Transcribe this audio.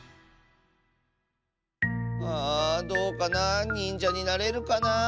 あどうかな。にんじゃになれるかな？